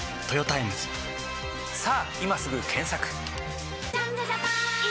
さぁ今すぐ検索！